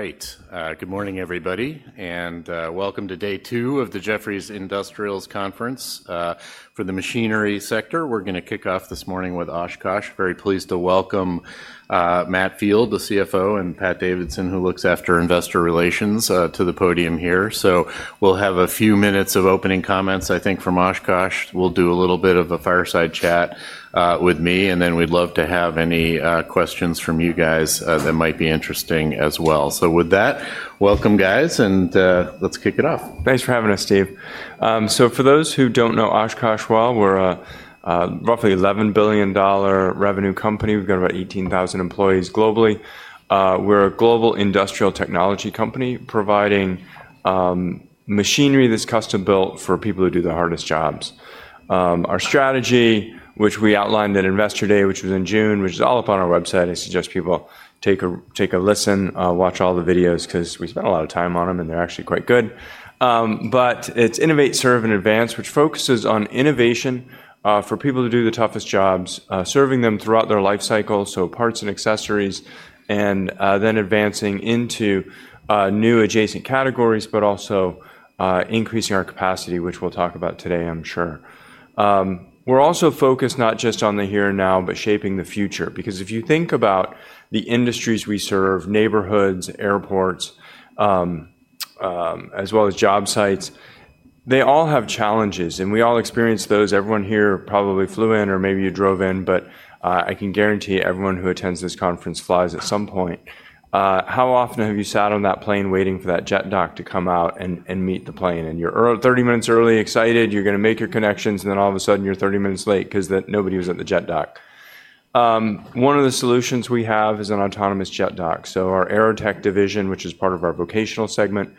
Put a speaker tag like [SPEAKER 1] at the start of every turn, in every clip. [SPEAKER 1] All right. Good morning, everybody, and welcome to day two of the Jefferies Industrials Conference. For the machinery sector, we're gonna kick off this morning with Oshkosh. Very pleased to welcome Matt Field, the CFO, and Pat Davidson, who looks after investor relations, to the podium here. So we'll have a few minutes of opening comments, I think, from Oshkosh. We'll do a little bit of a fireside chat with me, and then we'd love to have any questions from you guys that might be interesting as well. So with that, welcome, guys, and let's kick it off.
[SPEAKER 2] Thanks for having us, Steve. So for those who don't know Oshkosh well, we're a roughly $11 billion revenue company. We've got about 18,000 employees globally. We're a global industrial technology company, providing machinery that's custom-built for people who do the hardest jobs. Our strategy, which we outlined at Investor Day, which was in June, which is all up on our website. I suggest people take a listen, watch all the videos 'cause we spent a lot of time on them, and they're actually quite good, but it's innovate, serve, and advance, which focuses on innovation for people who do the toughest jobs, serving them throughout their lifecycle, so parts and accessories, and then advancing into new adjacent categories, but also increasing our capacity, which we'll talk about today, I'm sure. We're also focused not just on the here and now, but shaping the future because if you think about the industries we serve, neighborhoods, airports, as well as job sites, they all have challenges, and we all experience those. Everyone here probably flew in, or maybe you drove in, but I can guarantee everyone who attends this conference flies at some point. How often have you sat on that plane waiting for that JetDock to come out and meet the plane? You're thirty minutes early, excited, you're gonna make your connections, and then all of a sudden, you're thirty minutes late 'cause nobody was at the JetDock. One of the solutions we have is an autonomous JetDock. So our AeroTech division, which is part of our Vocational segment,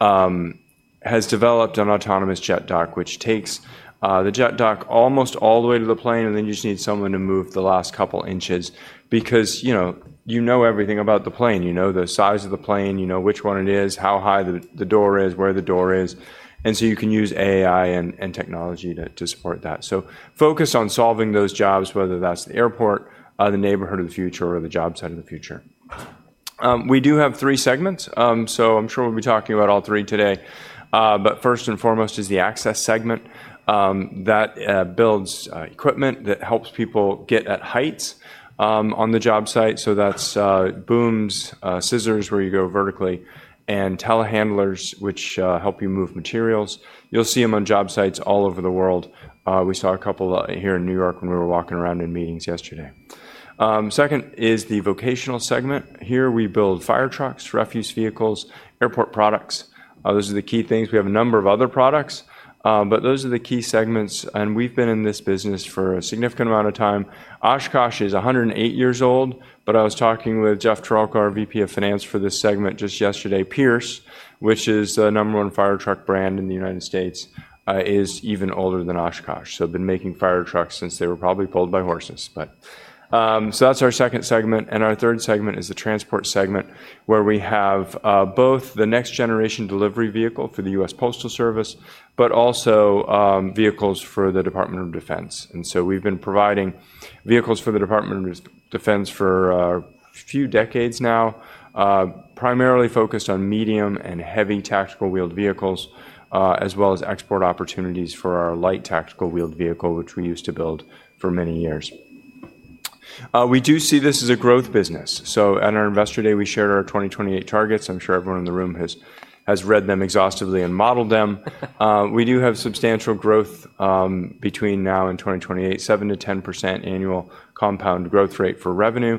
[SPEAKER 2] has developed an autonomous JetDock, which takes the JetDock almost all the way to the plane, and then you just need someone to move the last couple inches because, you know, you know everything about the plane. You know the size of the plane, you know which one it is, how high the door is, where the door is, and so you can use AI and technology to support that. So focused on solving those jobs, whether that's the airport, the neighborhood of the future or the job site of the future. We do have three segments, so I'm sure we'll be talking about all three today. But first and foremost is the Access segment. That builds equipment that helps people get at heights on the job site. So that's booms, scissors, where you go vertically, and telehandlers, which help you move materials. You'll see them on job sites all over the world. We saw a couple here in New York when we were walking around in meetings yesterday. Second is the Vocational segment. Here, we build fire trucks, refuse vehicles, airport products. Those are the key things. We have a number of other products, but those are the key segments, and we've been in this business for a significant amount of time. Oshkosh is a hundred and eight years old, but I was talking with Jeff Tralka, our VP of Finance for this segment, just yesterday. Pierce, which is the number one fire truck brand in the United States, is even older than Oshkosh, so been making fire trucks since they were probably pulled by horses, so that's our second segment, and our third segment is the Transport segment, where we have both the next-generation delivery vehicle for the U.S. Postal Service, but also vehicles for the U.S. Department of Defense, and so we've been providing vehicles for the U.S. Department of Defense for a few decades now, primarily focused on medium and heavy tactical wheeled vehicles, as well as export opportunities for our light tactical wheeled vehicle, which we used to build for many years. We do see this as a growth business, so at our Investor Day, we shared our 2028 targets. I'm sure everyone in the room has read them exhaustively and modeled them. We do have substantial growth between now and 2028, 7%-10% annual compound growth rate for revenue.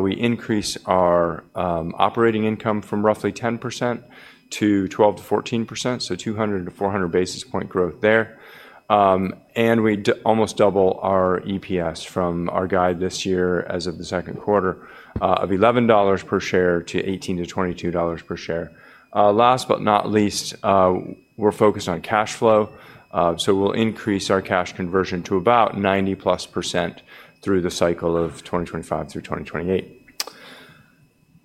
[SPEAKER 2] We increase our operating income from roughly 10%-12-14%, so 200-400 basis points growth there. And we almost double our EPS from our guide this year, as of the second quarter, of $11 per share to $18-$22 per share. Last but not least, we're focused on cash flow, so we'll increase our cash conversion to about 90+% through the cycle of 2025 through 2028.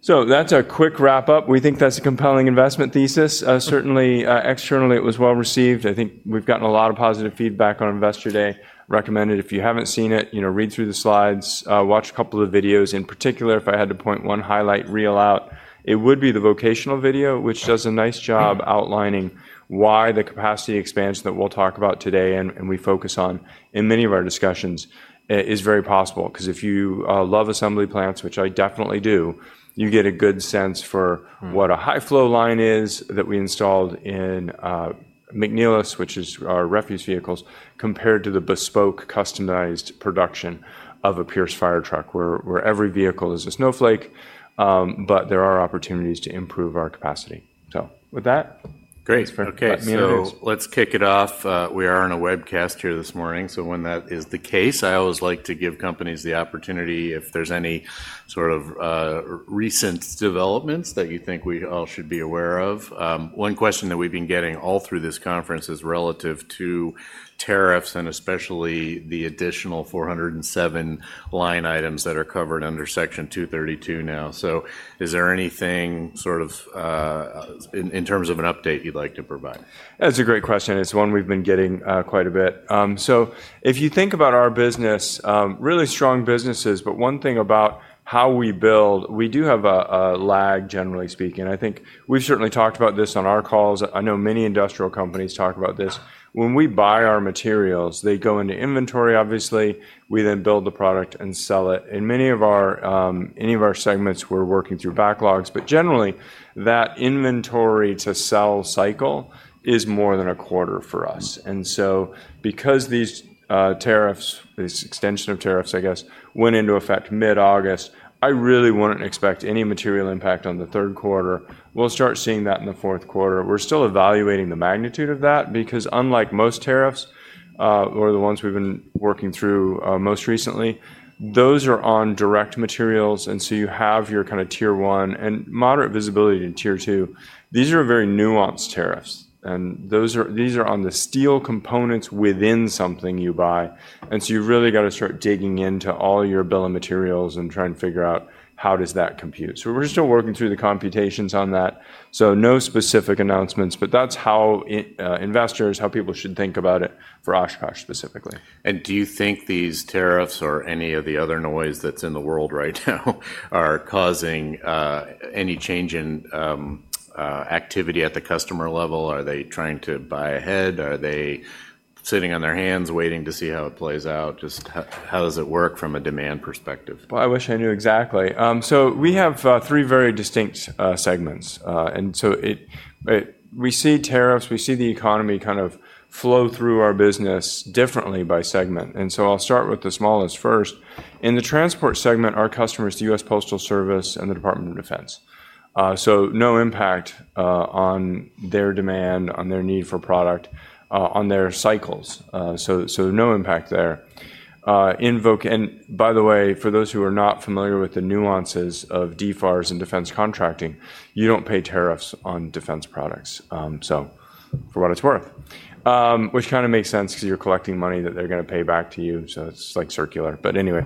[SPEAKER 2] So that's a quick wrap-up. We think that's a compelling investment thesis. Certainly, externally, it was well-received. I think we've gotten a lot of positive feedback on Investor Day. Recommend it. If you haven't seen it, you know, read through the slides, watch a couple of videos. In particular, if I had to point one highlight reel out, it would be the vocational video, which does a nice job outlining why the capacity expansion that we'll talk about today and we focus on in many of our discussions is very possible. 'Cause if you love assembly plants, which I definitely do, you get a good sense for-
[SPEAKER 1] Mm-hmm...
[SPEAKER 2] what a high-flow line is, that we installed in McNeilus, which is our refuse vehicles, compared to the bespoke, customized production of a Pierce fire truck, where every vehicle is a snowflake, but there are opportunities to improve our capacity. So with that? ...
[SPEAKER 1] Great. Okay, so let's kick it off. We are on a webcast here this morning, so when that is the case, I always like to give companies the opportunity if there's any sort of recent developments that you think we all should be aware of. One question that we've been getting all through this conference is relative to tariffs, and especially the additional 407 line items that are covered under Section 232 now. So is there anything sort of in terms of an update you'd like to provide?
[SPEAKER 2] That's a great question, and it's one we've been getting quite a bit. So if you think about our business, really strong businesses, but one thing about how we build, we do have a lag, generally speaking. I think we've certainly talked about this on our calls. I know many industrial companies talk about this. When we buy our materials, they go into inventory, obviously. We then build the product and sell it. In many of our any of our segments, we're working through backlogs, but generally, that inventory-to-sell cycle is more than a quarter for us.
[SPEAKER 1] Mm.
[SPEAKER 2] And so, because these tariffs, this extension of tariffs, I guess, went into effect mid-August, I really wouldn't expect any material impact on the third quarter. We'll start seeing that in the fourth quarter. We're still evaluating the magnitude of that, because unlike most tariffs, or the ones we've been working through, most recently, those are on direct materials, and so you have your kinda tier one and moderate visibility in tier two. These are very nuanced tariffs, and those are, these are on the steel components within something you buy, and so you've really got to start digging into all your bill of materials and try and figure out how does that compute. So we're still working through the computations on that, so no specific announcements, but that's how in, investors, how people should think about it for Oshkosh, specifically.
[SPEAKER 1] And do you think these tariffs or any of the other noise that's in the world right now are causing any change in activity at the customer level? Are they trying to buy ahead? Are they sitting on their hands, waiting to see how it plays out? Just how does it work from a demand perspective?
[SPEAKER 2] I wish I knew exactly. We have three very distinct segments. We see tariffs, we see the economy kind of flow through our business differently by segment, and I'll start with the smallest first. In the Transport segment, our customer is the U.S. Postal Service and the Department of Defense. No impact on their demand, on their need for product, on their cycles. No impact there. By the way, for those who are not familiar with the nuances of DFARS and defense contracting, you don't pay tariffs on defense products, so for what it's worth. Which kinda makes sense, because you're collecting money that they're gonna pay back to you, so it's like circular. Anyway,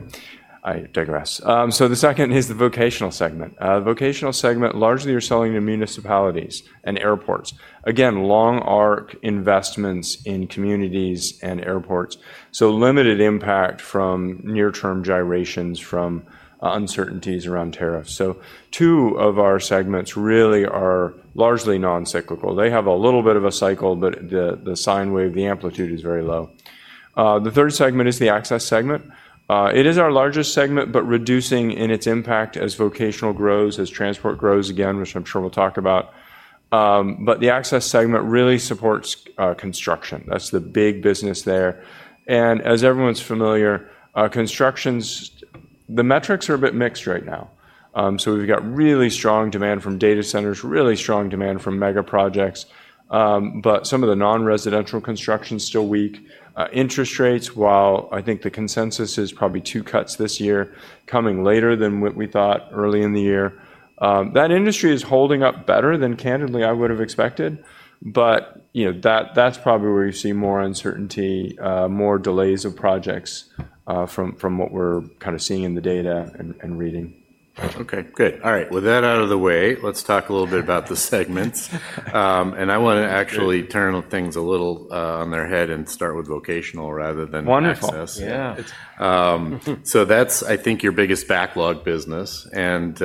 [SPEAKER 2] I digress. The second is the Vocational segment. Vocational segment, largely you're selling to municipalities and airports. Again, long arc investments in communities and airports, so limited impact from near-term gyrations from uncertainties around tariffs. Two of our segments really are largely non-cyclical. They have a little bit of a cycle, but the sine wave, the amplitude is very low. The third segment is the Access segment. It is our largest segment, but reducing in its impact as Vocational grows, as Transport grows again, which I'm sure we'll talk about, but the Access segment really supports construction. That's the big business there, as everyone's familiar, construction, the metrics are a bit mixed right now, so we've got really strong demand from data centers, really strong demand from mega projects, but some of the non-residential construction's still weak. Interest rates, while I think the consensus is probably two cuts this year, coming later than what we thought early in the year. That industry is holding up better than candidly I would have expected, but, you know, that, that's probably where you see more uncertainty, more delays of projects, from what we're kinda seeing in the data and reading.
[SPEAKER 1] Okay, good. All right. With that out of the way, let's talk a little bit about the segments, and I wanna actually-
[SPEAKER 2] Sure...
[SPEAKER 1] turn things a little, on their head and start with vocational rather than-
[SPEAKER 2] Wonderful
[SPEAKER 1] - access.
[SPEAKER 2] Yeah.
[SPEAKER 1] So that's, I think, your biggest backlog business, and,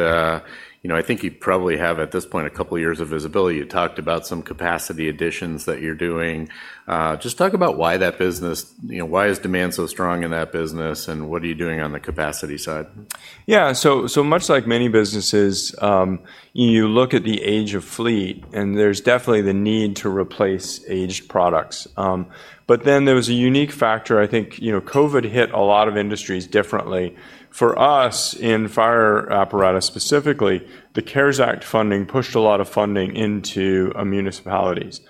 [SPEAKER 1] you know, I think you probably have, at this point, a couple of years of visibility. You talked about some capacity additions that you're doing. Just talk about why that business... You know, why is demand so strong in that business, and what are you doing on the capacity side?
[SPEAKER 2] Yeah, so, so much like many businesses, you look at the age of fleet, and there's definitely the need to replace aged products. But then there was a unique factor. I think, you know, COVID hit a lot of industries differently. For us, in fire apparatus specifically, the CARES Act funding pushed a lot of funding into municipalities.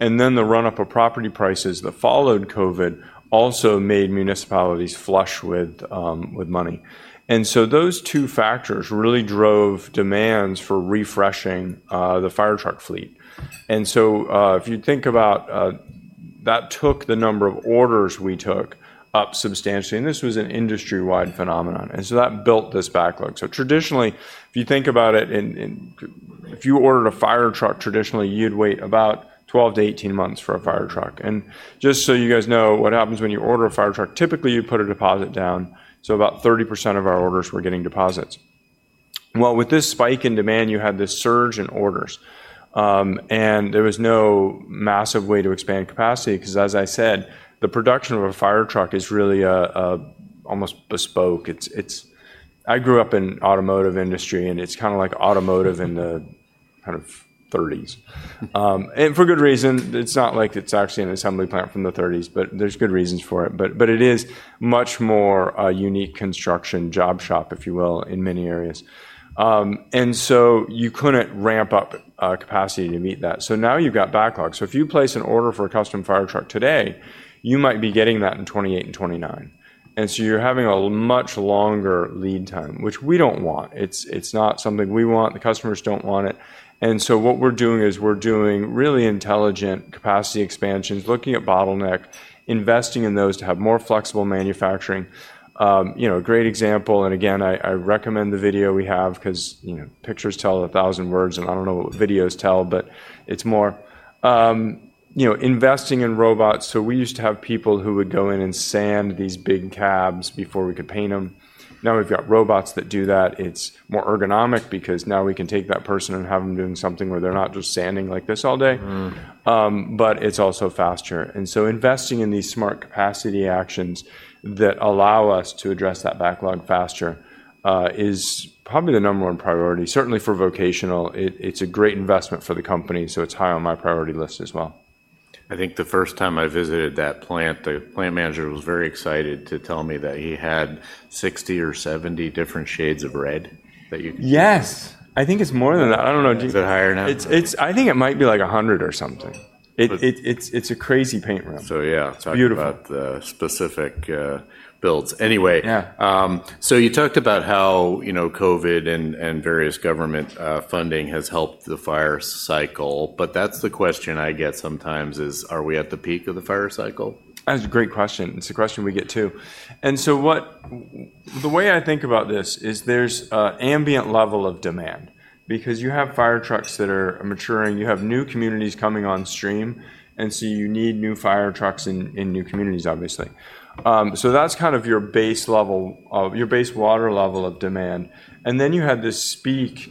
[SPEAKER 2] And then the run-up of property prices that followed COVID also made municipalities flush with money. And so those two factors really drove demands for refreshing the fire truck fleet. And so, if you think about, that took the number of orders we took up substantially, and this was an industry-wide phenomenon, and so that built this backlog. So traditionally, if you think about it, in... If you ordered a fire truck, traditionally, you'd wait about 12-18 months for a fire truck. And just so you guys know, what happens when you order a fire truck, typically, you'd put a deposit down, so about 30% of our orders were getting deposits. Well, with this spike in demand, you had this surge in orders. And there was no massive way to expand capacity, 'cause as I said, the production of a fire truck is really almost bespoke. It is. I grew up in automotive industry, and it's kinda like automotive out of the 1930s. And for good reason, it's not like it's actually an assembly plant from the 1930s, but there's good reasons for it. But it is much more a unique construction job shop, if you will, in many areas. And so you couldn't ramp up capacity to meet that, so now you've got backlog. So if you place an order for a custom fire truck today, you might be getting that in 2028 and 2029, and so you're having a much longer lead time, which we don't want. It's, it's not something we want. The customers don't want it, and so what we're doing is we're doing really intelligent capacity expansions, looking at bottleneck, investing in those to have more flexible manufacturing. You know, a great example, and again, I, I recommend the video we have, because, you know, pictures tell a thousand words, and I don't know what videos tell, but it's more. You know, investing in robots, so we used to have people who would go in and sand these big cabs before we could paint them. Now we've got robots that do that. It's more ergonomic, because now we can take that person and have them doing something where they're not just standing like this all day.
[SPEAKER 1] Mm.
[SPEAKER 2] But it's also faster, and so investing in these smart capacity actions that allow us to address that backlog faster is probably the number one priority. Certainly for vocational, it's a great investment for the company, so it's high on my priority list as well.
[SPEAKER 1] I think the first time I visited that plant, the plant manager was very excited to tell me that he had 60 or 70 different shades of red that you
[SPEAKER 2] Yes! I think it's more than that. I don't know
[SPEAKER 1] Is it higher now?
[SPEAKER 2] It's, I think it might be like 100 or something.
[SPEAKER 1] But
[SPEAKER 2] It's a crazy paint room.
[SPEAKER 1] So yeah, talk
[SPEAKER 2] Beautiful
[SPEAKER 1] about the specific builds. Anyway
[SPEAKER 2] Yeah.
[SPEAKER 1] So you talked about how, you know, COVID and various government funding has helped the fire cycle, but that's the question I get sometimes, is, are we at the peak of the fire cycle?
[SPEAKER 2] That's a great question. It's a question we get too. And so, the way I think about this is there's an ambient level of demand, because you have fire trucks that are maturing, you have new communities coming on stream, and so you need new fire trucks in new communities, obviously. So that's kind of your base water level of demand, and then you have this peak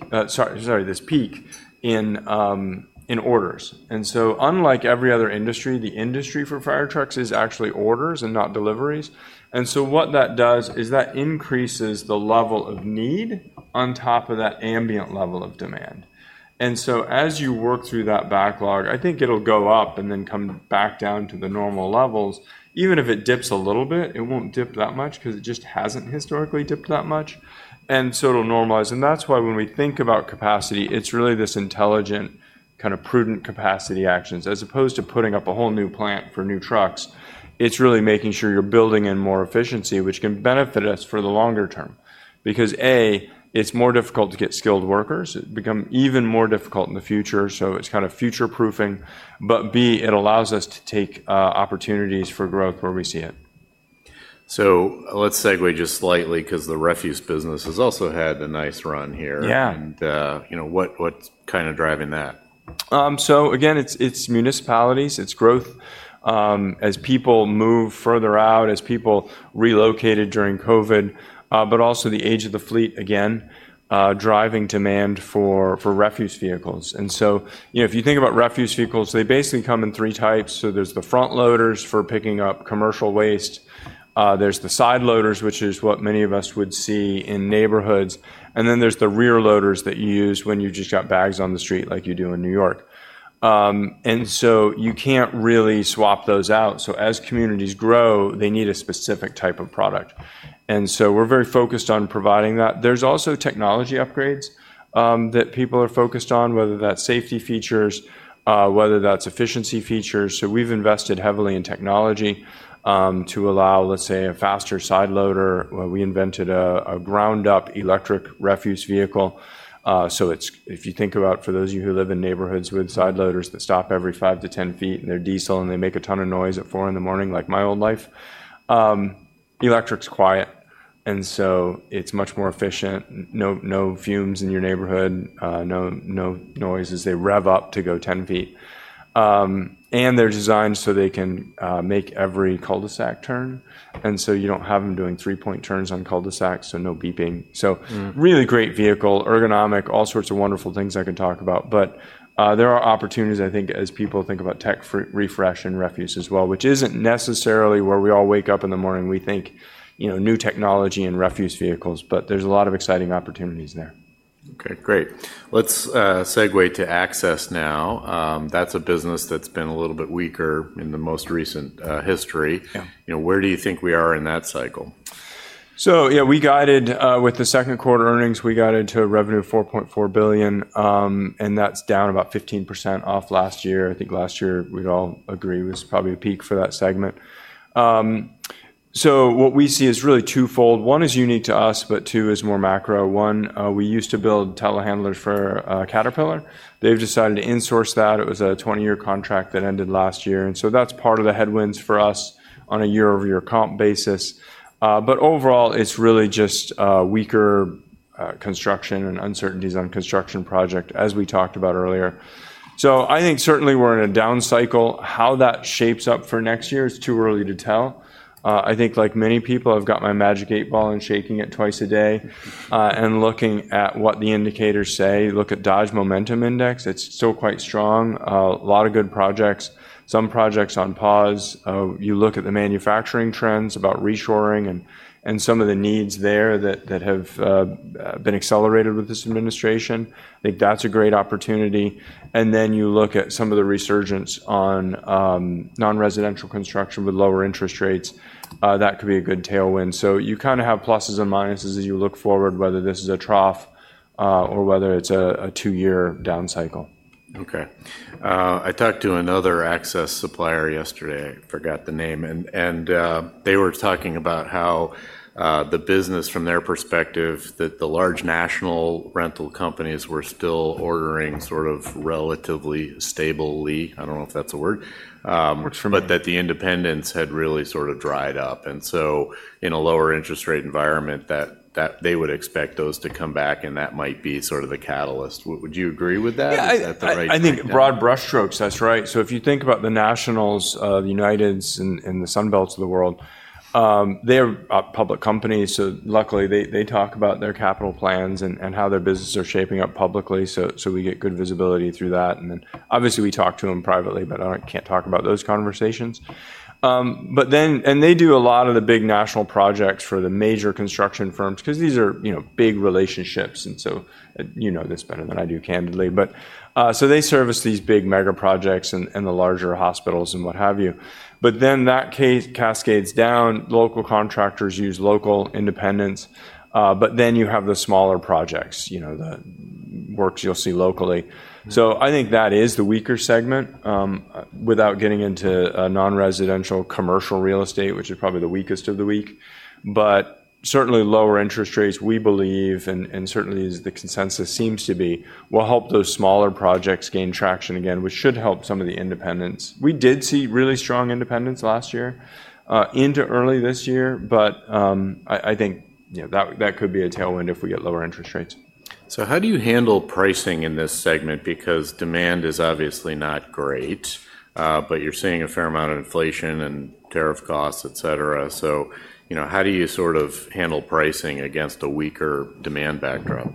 [SPEAKER 2] in orders. And so, unlike every other industry, the industry for fire trucks is actually orders and not deliveries, and so what that does is that increases the level of need on top of that ambient level of demand. And so, as you work through that backlog, I think it'll go up and then come back down to the normal levels. Even if it dips a little bit, it won't dip that much, because it just hasn't historically dipped that much, and so it'll normalize, and that's why when we think about capacity, it's really this intelligent, kind of prudent capacity actions. As opposed to putting up a whole new plant for new trucks, it's really making sure you're building in more efficiency, which can benefit us for the longer term, because A, it's more difficult to get skilled workers. It'll become even more difficult in the future, so it's kind of future-proofing, but B, it allows us to take opportunities for growth where we see it.
[SPEAKER 1] So let's segue just slightly, because the refuse business has also had a nice run here.
[SPEAKER 2] Yeah.
[SPEAKER 1] You know, what's kind of driving that?
[SPEAKER 2] So again, it's municipalities, it's growth, as people move further out, as people relocated during COVID, but also the age of the fleet again, driving demand for refuse vehicles. And so, you know, if you think about refuse vehicles, they basically come in three types. So there's the front loaders for picking up commercial waste, there's the side loaders, which is what many of us would see in neighborhoods, and then there's the rear loaders that you use when you've just got bags on the street, like you do in New York. And so you can't really swap those out. So as communities grow, they need a specific type of product, and so we're very focused on providing that. There's also technology upgrades that people are focused on, whether that's safety features, whether that's efficiency features. So we've invested heavily in technology to allow, let's say, a faster side loader. We invented a ground-up electric refuse vehicle. So it's if you think about, for those of you who live in neighborhoods with side loaders that stop every five to ten feet, and they're diesel, and they make a ton of noise at 4:00 A.M., like my old life, electric's quiet, and so it's much more efficient. No fumes in your neighborhood, no noise as they rev up to go ten feet. And they're designed so they can make every cul-de-sac turn, and so you don't have them doing three-point turns on cul-de-sacs, so no beeping.
[SPEAKER 1] Mm.
[SPEAKER 2] So really great vehicle, ergonomic, all sorts of wonderful things I could talk about. But there are opportunities, I think, as people think about tech refresh in refuse as well, which isn't necessarily where we all wake up in the morning, we think, you know, new technology and refuse vehicles, but there's a lot of exciting opportunities there.
[SPEAKER 1] Okay, great. Let's segue to Access now. That's a business that's been a little bit weaker in the most recent history.
[SPEAKER 2] Yeah.
[SPEAKER 1] You know, where do you think we are in that cycle?
[SPEAKER 2] So, yeah, we guided. With the second quarter earnings, we guided to a revenue of $4.4 billion, and that's down about 15% off last year. I think last year, we'd all agree, was probably a peak for that segment. So what we see is really twofold. One is unique to us, but two is more macro. One, we used to build telehandlers for Caterpillar. They've decided to insource that. It was a 20-year contract that ended last year, and so that's part of the headwinds for us on a year-over-year comp basis. But overall, it's really just weaker construction and uncertainties on construction project, as we talked about earlier. So I think certainly we're in a down cycle. How that shapes up for next year is too early to tell. I think, like many people, I've got my Magic 8 Ball and shaking it twice a day, and looking at what the indicators say. Look at Dodge Momentum Index, it's still quite strong. A lot of good projects, some projects on pause. You look at the manufacturing trends about reshoring and some of the needs there that have been accelerated with this administration. I think that's a great opportunity. And then you look at some of the resurgence on non-residential construction with lower interest rates. That could be a good tailwind. You kinda have pluses and minuses as you look forward, whether this is a trough or whether it's a two-year down cycle.
[SPEAKER 1] Okay. I talked to another access supplier yesterday, forgot the name, and they were talking about how the business from their perspective, that the large national rental companies were still ordering sort of relatively stably. I don't know if that's a word.
[SPEAKER 2] Sure.
[SPEAKER 1] but that the independents had really sort of dried up, and so in a lower interest rate environment, that they would expect those to come back, and that might be sort of the catalyst. Would you agree with that?
[SPEAKER 2] Yeah.
[SPEAKER 1] Is that the right-
[SPEAKER 2] I think broad brush strokes, that's right. So if you think about the nationals, the Uniteds and the Sunbelts of the world, they're public companies, so luckily they talk about their capital plans and how their businesses are shaping up publicly, so we get good visibility through that. And then, obviously, we talk to them privately, but I can't talk about those conversations. But then they do a lot of the big national projects for the major construction firms because these are, you know, big relationships, and so... You know this better than I do, candidly. But so they service these big mega projects and the larger hospitals and what have you. But then that case cascades down. Local contractors use local independents, but then you have the smaller projects, you know, the works you'll see locally.
[SPEAKER 1] Mm.
[SPEAKER 2] So I think that is the weaker segment, without getting into, non-residential commercial real estate, which is probably the weakest of the weak. But certainly, lower interest rates, we believe, and certainly as the consensus seems to be, will help those smaller projects gain traction again, which should help some of the independents. We did see really strong independents last year, into early this year, but, I think, you know, that could be a tailwind if we get lower interest rates.
[SPEAKER 1] So how do you handle pricing in this segment? Because demand is obviously not great, but you're seeing a fair amount of inflation and tariff costs, et cetera. So, you know, how do you sort of handle pricing against a weaker demand backdrop?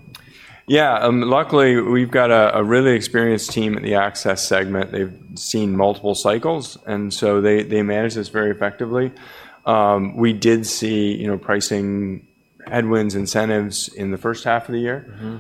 [SPEAKER 2] Yeah, luckily, we've got a really experienced team in the Access segment. They've seen multiple cycles, and so they manage this very effectively. We did see, you know, pricing headwinds, incentives in the first half of the year.
[SPEAKER 1] Mm-hmm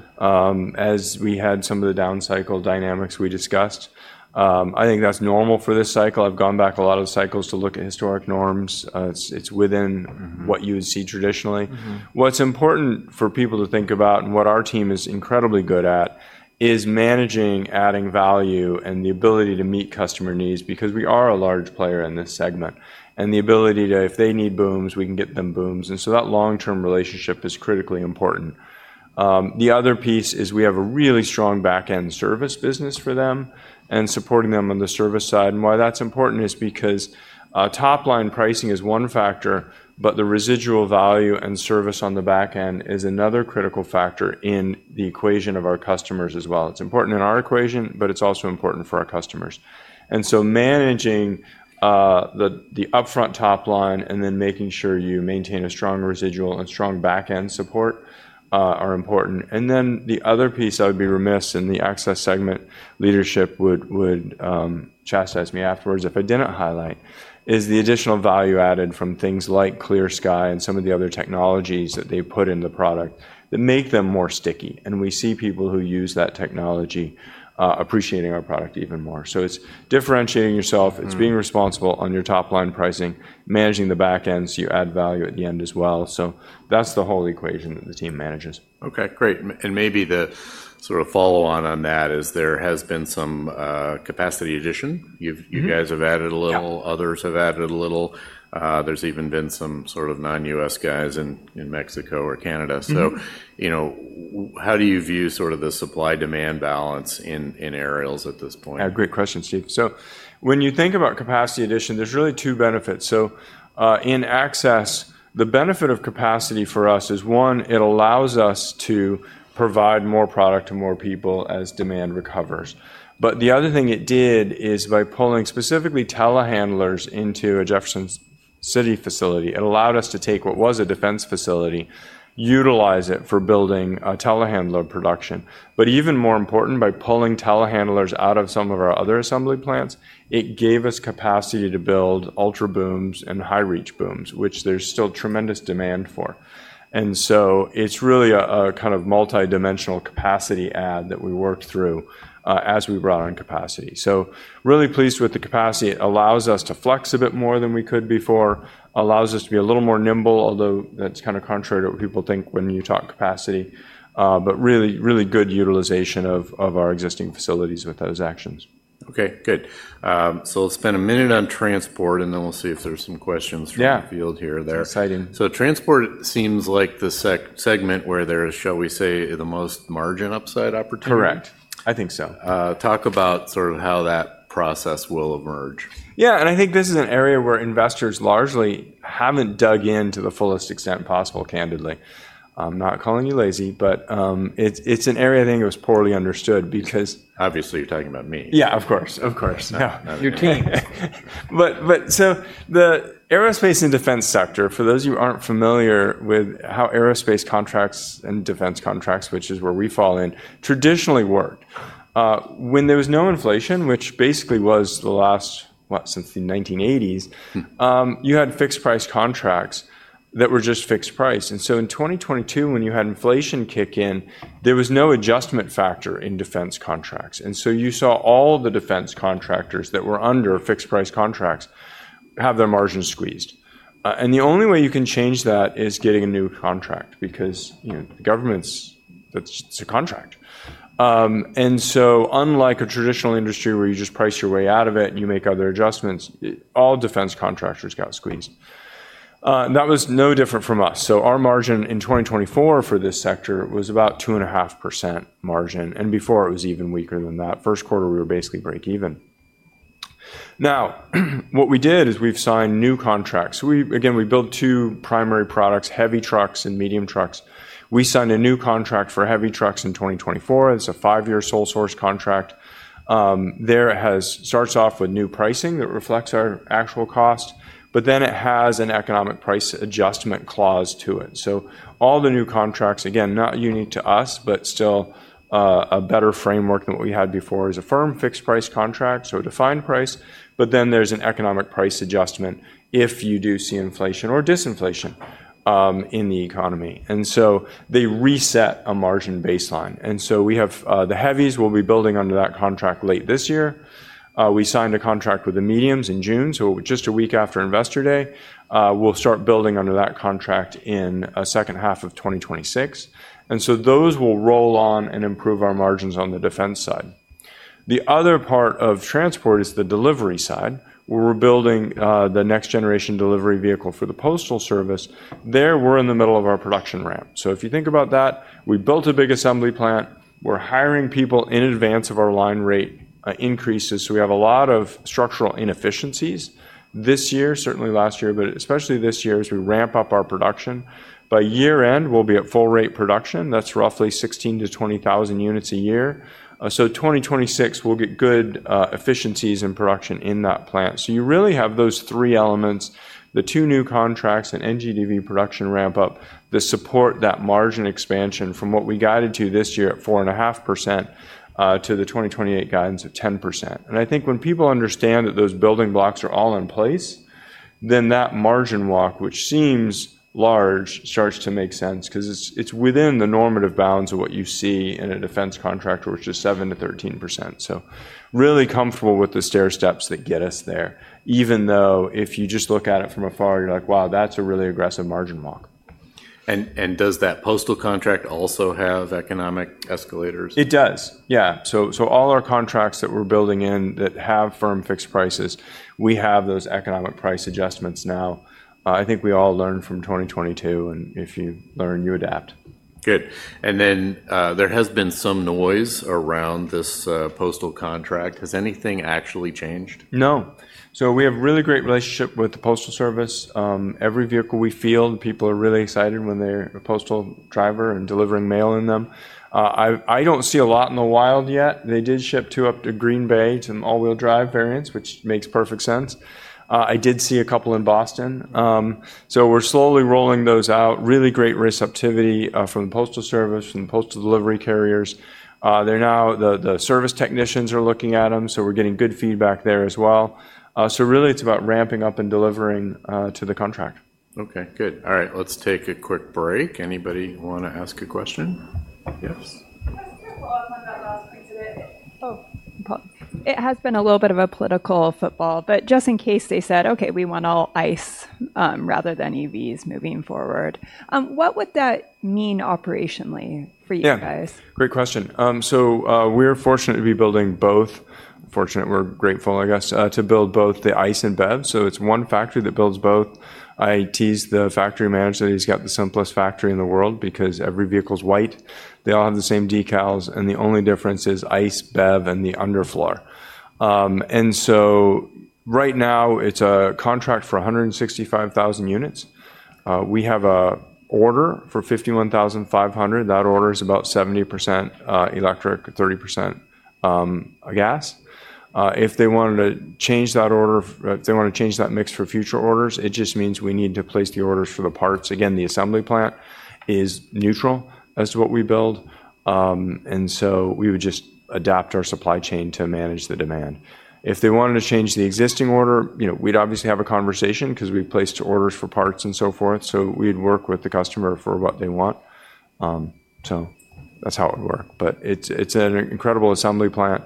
[SPEAKER 2] as we had some of the down cycle dynamics we discussed. I think that's normal for this cycle. I've gone back a lot of the cycles to look at historic norms. It's within
[SPEAKER 1] Mm-hmm
[SPEAKER 2] what you would see traditionally.
[SPEAKER 1] Mm-hmm.
[SPEAKER 2] What's important for people to think about, and what our team is incredibly good at, is managing, adding value, and the ability to meet customer needs because we are a large player in this segment. And the ability to, if they need booms, we can get them booms, and so that long-term relationship is critically important. The other piece is we have a really strong back-end service business for them and supporting them on the service side. And why that's important is because top-line pricing is one factor, but the residual value and service on the back end is another critical factor in the equation of our customers as well. It's important in our equation, but it's also important for our customers. And so managing the upfront top line and then making sure you maintain a strong residual and strong back-end support are important. And then the other piece, I would be remiss, and the Access segment leadership would chastise me afterwards if I didn't highlight, is the additional value added from things like ClearSky and some of the other technologies that they put in the product that make them more sticky. And we see people who use that technology appreciating our product even more. So it's differentiating yourself
[SPEAKER 1] Mm.
[SPEAKER 2] It's being responsible on your top-line pricing, managing the back end, so you add value at the end as well. So that's the whole equation that the team manages.
[SPEAKER 1] Okay, great. And maybe the sort of follow on that is there has been some capacity addition.
[SPEAKER 2] Mm-hmm.
[SPEAKER 1] You guys have added a little.
[SPEAKER 2] Yeah.
[SPEAKER 1] Others have added a little. There's even been some sort of non-US guys in Mexico or Canada.
[SPEAKER 2] Mm-hmm.
[SPEAKER 1] You know, how do you view sort of the supply-demand balance in aerials at this point?
[SPEAKER 2] Great question, Steve. So when you think about capacity addition, there's really two benefits. So, in access, the benefit of capacity for us is, one, it allows us to provide more product to more people as demand recovers. But the other thing it did is by pulling specifically telehandlers into a Jefferson City facility, it allowed us to take what was a defense facility, utilize it for building a telehandler production. But even more important, by pulling telehandlers out of some of our other assembly plants, it gave us capacity to build Ultra Booms and high-reach booms, which there's still tremendous demand for. And so it's really a kind of multidimensional capacity add that we worked through, as we brought on capacity. So really pleased with the capacity. It allows us to flex a bit more than we could before, allows us to be a little more nimble, although that's kind of contrary to what people think when you talk capacity, but really, really good utilization of our existing facilities with those actions.
[SPEAKER 1] Okay, good, so let's spend a minute on transport, and then we'll see if there's some questions-
[SPEAKER 2] Yeah
[SPEAKER 1] From the field here or there.
[SPEAKER 2] Exciting.
[SPEAKER 1] Transport seems like the segment where there is, shall we say, the most margin upside opportunity?
[SPEAKER 2] Correct. I think so.
[SPEAKER 1] Talk about sort of how that process will emerge.
[SPEAKER 2] Yeah, and I think this is an area where investors largely haven't dug in to the fullest extent possible, candidly. I'm not calling you lazy, but, it's an area I think it was poorly understood because-
[SPEAKER 1] Obviously, you're talking about me.
[SPEAKER 2] Yeah, of course, of course.
[SPEAKER 1] No, no.
[SPEAKER 2] Your team. But so the aerospace and defense sector, for those of you who aren't familiar with how aerospace contracts and defense contracts, which is where we fall in, traditionally worked. When there was no inflation, which basically was the last, what, since the 1980s
[SPEAKER 1] Hmm
[SPEAKER 2] you had fixed price contracts that were just fixed price. And so in 2022, when you had inflation kick in, there was no adjustment factor in defense contracts, and so you saw all the defense contractors that were under fixed price contracts have their margins squeezed. And the only way you can change that is getting a new contract because, you know, the government's. It's a contract. And so unlike a traditional industry where you just price your way out of it, and you make other adjustments, all defense contractors got squeezed. That was no different from us. So our margin in 2024 for this sector was about 2.5% margin, and before, it was even weaker than that. First quarter, we were basically break even. Now, what we did is we've signed new contracts. Again, we built two primary products: heavy trucks and medium trucks. We signed a new contract for heavy trucks in 2024. It's a five-year sole source contract. It starts off with new pricing that reflects our actual cost, but then it has an economic price adjustment clause to it. So all the new contracts, again, not unique to us, but still, a better framework than what we had before, is a firm fixed price contract, so a defined price. But then there's an economic price adjustment if you do see inflation or disinflation in the economy, and so they reset a margin baseline. And so we have the heavies will be building under that contract late this year. We signed a contract with the mediums in June, so just a week after Investor Day. We'll start building under that contract in second half of 2026, and so those will roll on and improve our margins on the defense side. The other part of transport is the delivery side, where we're building the next generation delivery vehicle for the Postal Service. There, we're in the middle of our production ramp. So if you think about that, we built a big assembly plant. We're hiring people in advance of our line rate increases, so we have a lot of structural inefficiencies this year, certainly last year, but especially this year, as we ramp up our production. By year end, we'll be at full rate production. That's roughly sixteen to twenty thousand units a year. So 2026, we'll get good efficiencies and production in that plant. So you really have those three elements, the two new contracts and NGDV production ramp up, that support that margin expansion from what we guided to this year at 4.5%, to the 2028 guidance of 10%. And I think when people understand that those building blocks are all in place, then that margin walk, which seems large, starts to make sense because it's within the normative bounds of what you see in a defense contractor, which is 7%-13%. So really comfortable with the stairsteps that get us there, even though if you just look at it from afar, you're like: Wow, that's a really aggressive margin walk.
[SPEAKER 1] Does that postal contract also have economic escalators?
[SPEAKER 2] It does, yeah. So, all our contracts that we're building in that have firm fixed prices, we have those economic price adjustments now. I think we all learned from 2022, and if you learn, you adapt.
[SPEAKER 1] Good. And then, there has been some noise around this, postal contract. Has anything actually changed?
[SPEAKER 2] No. So we have a really great relationship with the Postal Service. Every vehicle we field, people are really excited when they're a postal driver and delivering mail in them. I don't see a lot in the wild yet. They did ship two up to Green Bay, some all-wheel drive variants, which makes perfect sense. I did see a couple in Boston. So we're slowly rolling those out. Really great receptivity from the Postal Service and the postal delivery carriers. They're now the service technicians are looking at them, so we're getting good feedback there as well. So really it's about ramping up and delivering to the contract.
[SPEAKER 1] Okay, good. All right, let's take a quick break. Anybody want to ask a question? Yes. Just to follow up on that last point a bit. It has been a little bit of a political football, but just in case they said, "Okay, we want all ICE rather than EVs moving forward," what would that mean operationally for you guys?
[SPEAKER 2] Yeah, great question. So, we're fortunate to be building both. We're grateful, I guess, to build both the ICE and BEV, so it's one factory that builds both. I tease the factory manager that he's got the simplest factory in the world because every vehicle's white, they all have the same decals, and the only difference is ICE, BEV, and the underfloor, and so right now, it's a contract for 165,000 units. We have an order for 51,500. That order is about 70% electric, 30% gas. If they wanted to change that order, if they want to change that mix for future orders, it just means we need to place the orders for the parts. Again, the assembly plant is neutral as to what we build, and so we would just adapt our supply chain to manage the demand. If they wanted to change the existing order, you know, we'd obviously have a conversation 'cause we've placed orders for parts and so forth, so we'd work with the customer for what they want. So that's how it would work. But it's an incredible assembly plant,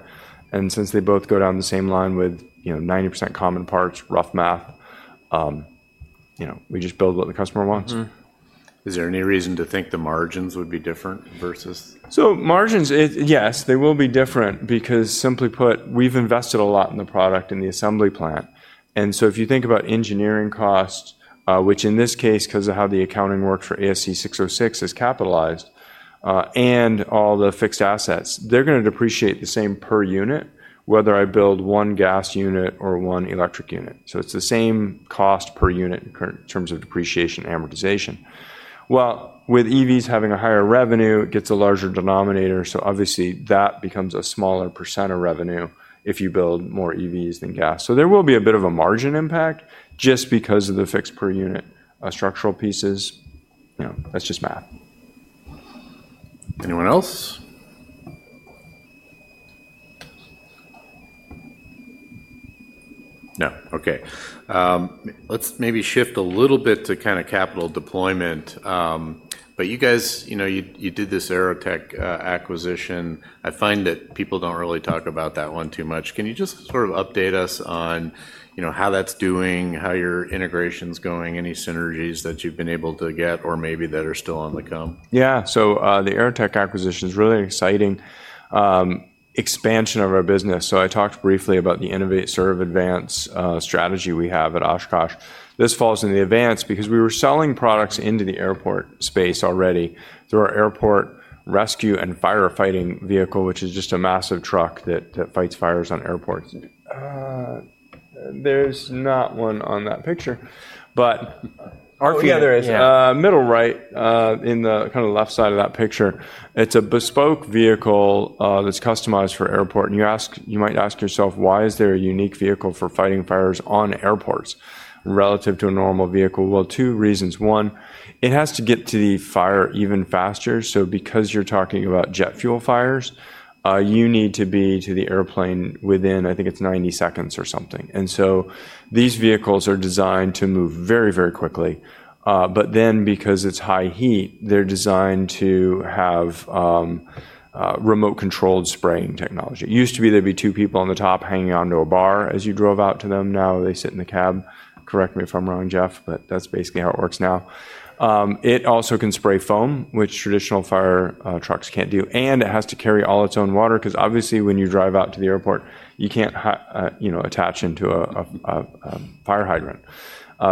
[SPEAKER 2] and since they both go down the same line with, you know, 90% common parts, rough math, you know, we just build what the customer wants.
[SPEAKER 1] Is there any reason to think the margins would be different versus?
[SPEAKER 2] Margins, yes, they will be different, because simply put, we've invested a lot in the product and the assembly plant. So if you think about engineering costs, which in this case, because of how the accounting works for ASC 606, is capitalized, and all the fixed assets, they're gonna depreciate the same per unit, whether I build one gas unit or one electric unit. It's the same cost per unit in current terms of depreciation and amortization. With EVs having a higher revenue, it gets a larger denominator, so obviously, that becomes a smaller % of revenue if you build more EVs than gas. There will be a bit of a margin impact just because of the fixed per unit structural pieces. You know, that's just math.
[SPEAKER 1] Anyone else? No. Okay. Let's maybe shift a little bit to kind of capital deployment. But you guys, you know, you did this AeroTech acquisition. I find that people don't really talk about that one too much. Can you just sort of update us on, you know, how that's doing, how your integration's going, any synergies that you've been able to get or maybe that are still on the come?
[SPEAKER 2] Yeah. So, the AeroTech acquisition is a really exciting expansion of our business. So I talked briefly about the innovate sort of advance strategy we have at Oshkosh. This falls in the advance because we were selling products into the airport space already through our airport rescue and firefighting vehicle, which is just a massive truck that fights fires on airports. There's not one on that picture, but
[SPEAKER 1] Oh, yeah, there is.
[SPEAKER 2] Yeah. Middle right, in the kind of left side of that picture. It's a bespoke vehicle that's customized for airport. And you ask--you might ask yourself, why is there a unique vehicle for fighting fires on airports relative to a normal vehicle? Well, two reasons: one, it has to get to the fire even faster. So because you're talking about jet fuel fires, you need to be to the airplane within, I think it's ninety seconds or something. And so these vehicles are designed to move very, very quickly. But then because it's high heat, they're designed to have remote controlled spraying technology. It used to be there'd be two people on the top hanging onto a bar as you drove out to them. Now they sit in the cab. Correct me if I'm wrong, Jeff, but that's basically how it works now. It also can spray foam, which traditional fire trucks can't do, and it has to carry all its own water, 'cause obviously, when you drive out to the airport, you can't, you know, attach into a fire hydrant,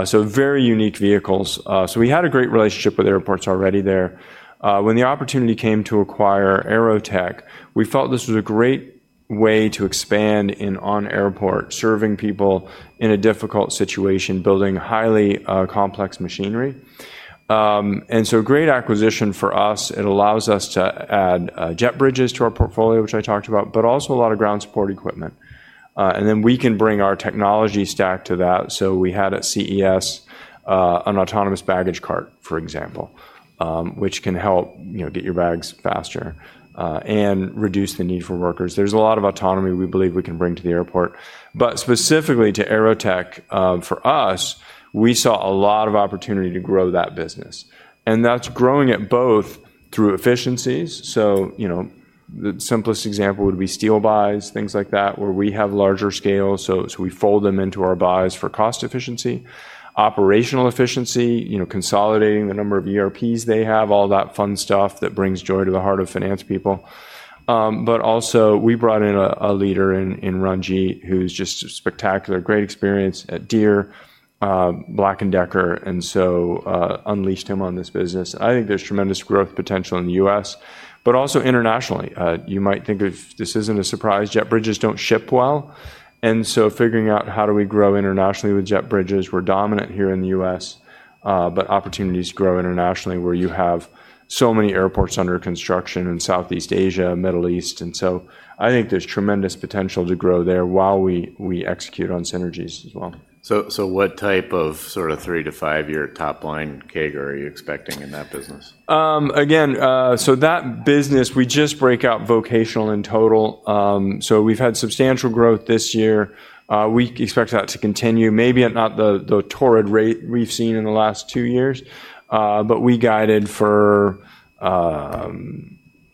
[SPEAKER 2] so very unique vehicles. We had a great relationship with airports already there. When the opportunity came to acquire AeroTech, we felt this was a great way to expand in on airport, serving people in a difficult situation, building highly complex machinery, and so a great acquisition for us. It allows us to add jet bridges to our portfolio, which I talked about, but also a lot of ground support equipment, and then we can bring our technology stack to that. So we had at CES, an autonomous baggage cart, for example, which can help, you know, get your bags faster, and reduce the need for workers. There's a lot of autonomy we believe we can bring to the airport, but specifically to AeroTech, for us, we saw a lot of opportunity to grow that business, and that's growing it both through efficiencies. So, you know, the simplest example would be steel buys, things like that, where we have larger scale, so we fold them into our buys for cost efficiency, operational efficiency, you know, consolidating the number of ERPs they have, all that fun stuff that brings joy to the heart of finance people. But also, we brought in a leader in Ranjit, who's just spectacular, great experience at Deere, Black & Decker, and so, unleashed him on this business. I think there's tremendous growth potential in the U.S., but also internationally. You might think of this isn't a surprise. Jet bridges don't ship well, and so figuring out how do we grow internationally with jet bridges, we're dominant here in the U.S., but opportunities grow internationally where you have so many airports under construction in Southeast Asia, Middle East. And so I think there's tremendous potential to grow there while we execute on synergies as well.
[SPEAKER 1] So, what type of sort of three to five-year top line CAGR are you expecting in that business?
[SPEAKER 2] Again, so that business, we just break out vocational and total. So we've had substantial growth this year. We expect that to continue, maybe at not the torrid rate we've seen in the last two years, but we guided for.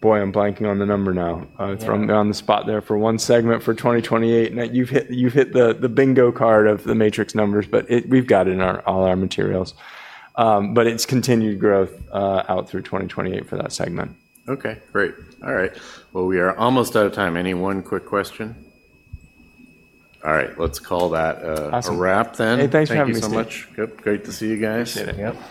[SPEAKER 2] Boy, I'm blanking on the number now.
[SPEAKER 1] Yeah.
[SPEAKER 2] Thrown me on the spot there for one segment for 2028. Now, you've hit the bingo card of the matrix numbers, but we've got it in all our materials, but it's continued growth out through 2028 for that segment.
[SPEAKER 1] Okay, great. All right. Well, we are almost out of time. Anyone quick question? All right, let's call that.
[SPEAKER 2] Awesome
[SPEAKER 1] a wrap then.
[SPEAKER 2] Hey, thanks for having me, Steve.
[SPEAKER 1] Thank you so much. Yep, great to see you guys.
[SPEAKER 2] Appreciate it. Yep.